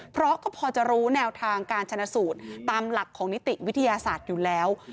เพราะก็พอจะรู้แนวทางการชนะสูตรตามหลักของนิติวิทยาศาสตร์อยู่แล้ว